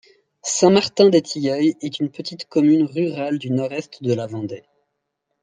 Saint-Martin-des-Tilleuls est une petite commune rurale du nord-est de la Vendée.